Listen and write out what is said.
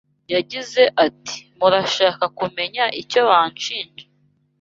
yagize ati “Murashaka kumenya icyo banshinja?